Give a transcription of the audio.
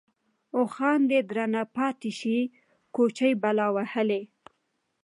اوښـان دې درنه پاتې شي كوچـۍ بلا وهلې.